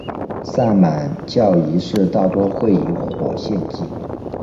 萨满教仪式大多会以火献祭。